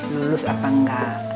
lulus apa enggak